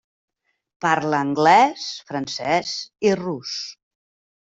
Parla anglès, francès, i rus.